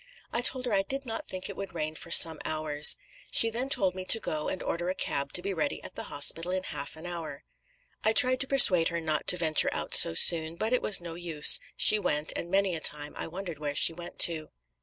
I told her I did not think it would rain for some hours. She then told me to go and order a cab to be ready at the hospital in half an hour. I tried to persuade her not to venture out so soon; but it was no use she went; and many a time I wondered where she went to.